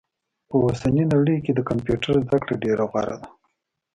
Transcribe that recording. په اوسني نړئ کي د کمپيوټر زده کړه ډيره غوره ده